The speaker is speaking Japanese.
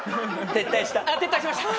撤退した？